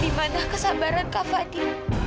dimana kesabaran kak fadil